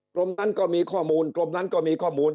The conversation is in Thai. กรมนั้นก็มีข้อมูลกรมนั้นก็มีข้อมูล